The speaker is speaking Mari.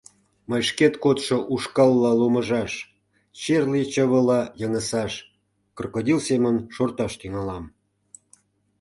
Мый шкет кодшо ушкалла ломыжаш, черле чывыла йыҥысаш, крокодил семын шорташ тӱҥалам.